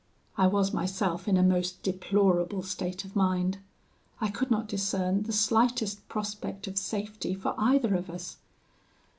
"I was myself in a most deplorable state of mind; I could not discern the slightest prospect of safety for either of us.